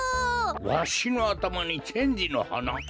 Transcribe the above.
わしのあたまにチェンジのはな。